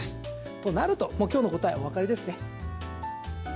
となると、今日の答えおわかりですね？